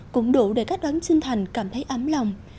cũng đủ để các đón sinh thành cảm thấy ấm lòng